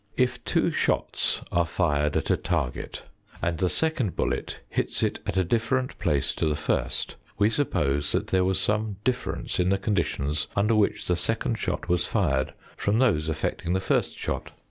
If two shots are fired at a target, and the second bullet hits it at a different place to the first, we suppose that there was some difference in the conditions under which the second shot was fired from those affecting the first shot.